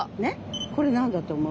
これなんだと思う？